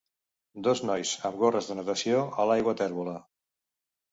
Dos nois amb gorres de natació a l'aigua tèrbola.